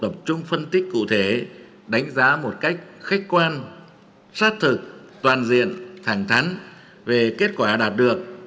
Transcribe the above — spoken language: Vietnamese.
tập trung phân tích cụ thể đánh giá một cách khách quan sát thực toàn diện thẳng thắn về kết quả đạt được